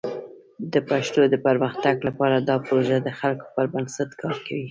د پښتو د پرمختګ لپاره دا پروژه د خلکو پر بنسټ کار کوي.